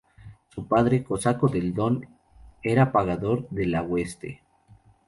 Su padre, cosaco del Don, era pagador de la hueste.